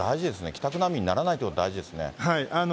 帰宅難民にならないということが大事ですね。